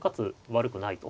悪くないと。